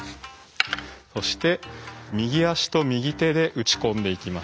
そして右足と右手で打ち込んでいきます。